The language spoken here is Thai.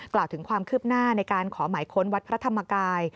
กล่าวถึงความคืบหน้าในการขอหมายค้นวัดพระธรรมกาย